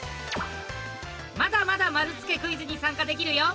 まだまだ丸つけクイズに参加できるよ。